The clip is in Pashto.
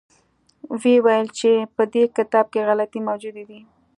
ویې ویل چې په دې کتاب کې غلطۍ موجودې دي.